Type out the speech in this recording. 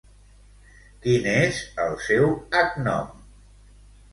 Quin és el seu agnom?